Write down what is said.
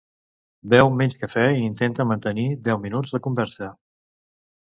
Beu menys cafè i intenta mantenir deu minuts de conversa.